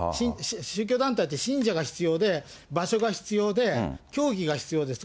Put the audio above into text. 宗教団体って信者が必要で、場所が必要で、教義が必要です。